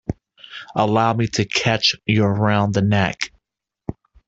Allow me to catch you round the neck.